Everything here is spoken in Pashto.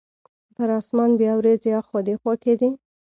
پر اسمان بیا وریځې اخوا دیخوا کیدې.